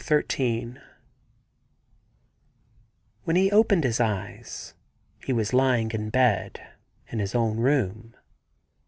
101 XIII 2 HEN he opened his eyes he was lying in bed, in his own room.